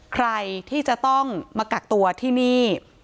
ใครที่จะต้องมากักตัวที่นี่